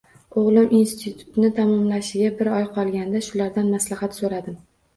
O`g`lim institutni tamomlashiga bir oy qolganida shulardan maslahat so`radim